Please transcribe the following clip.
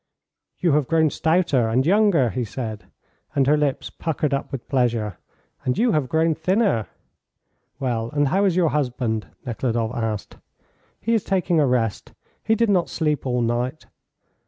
"You have grown stouter and younger," he said, and her lips puckered up with pleasure. "And you have grown thinner." "Well, and how is your husband?" Nekhludoff asked. "He is taking a rest; he did not sleep all night."